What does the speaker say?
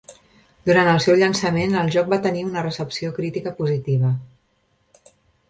Durant el seu llançament, el joc va tenir una recepció crítica positiva.